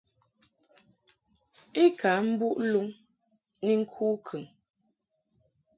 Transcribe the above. I ka mbuʼ luŋ ni ŋku kəŋ.